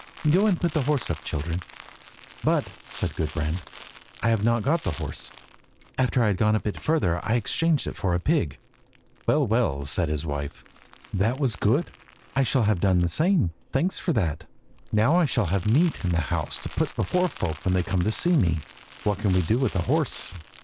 Go and put the horse up, children." "But," said Gudbrand, "I have not got the horse. After I had gone a bit further I exchanged it for a pig." "Well, well," said his wife, "that was good. I should have done the same. Thanks for that! now I shall have meat in the house to put before folk when they come to see me. What could we do with a horse?